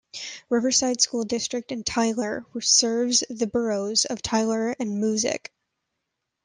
Riverside School District in Taylor serves the boroughs of Taylor and Moosic.